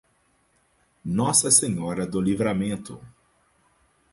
Nossa Senhora do Livramento